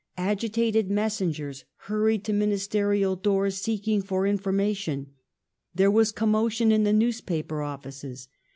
Agitated messen gers hurried to ministerial doors seeking for infor mation. There was commotion in the newspaper offices.